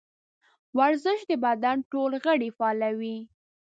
ورزش د بدن ټول غړي فعالوي.